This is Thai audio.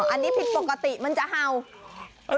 อันนี้ผิดปกติมันจะเห่า